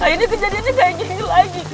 akhirnya kejadiannya kayak gini lagi kak